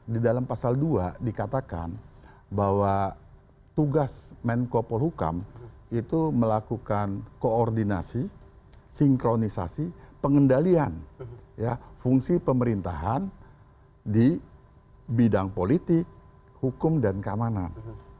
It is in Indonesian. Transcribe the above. di dalam pasal dua dikatakan bahwa tugas menko polhukam itu melakukan koordinasi sinkronisasi pengendalian fungsi pemerintahan di bidang politik hukum dan keamanan